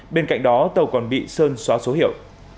bên cạnh đó tàu còn bị sơn xóa số hiệu